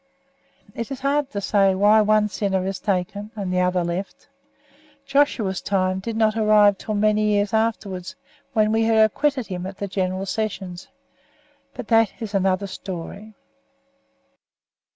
It is hard to say why one sinner is taken and the other left. Joshua's time did not arrive until many years afterwards, when we had acquitted him at the General Sessions; but that is another story.